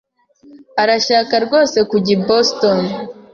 arashaka rwose kujya i Boston.